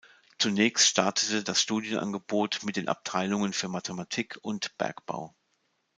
Zunächst startete das Studienangebot mit den Abteilungen für Mathematik und Bergbau.